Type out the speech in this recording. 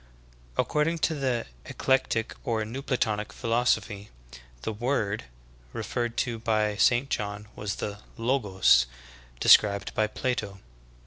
"'' According to the Eclectic or New Platonic philosophy, the "Word" referred to by St. John was the "Logos" described by Plato.